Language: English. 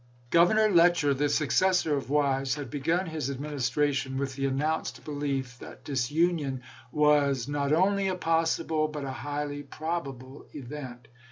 Governor Letcher, the successor of Wise, had begun his administration with the announced belief that disunion was " not only a possible but a highly probable event."